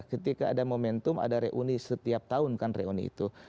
ketika ada momentum ada reuni setiap tahun kan reuni itu